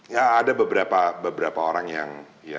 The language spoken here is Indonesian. ya ada beberapa orang yang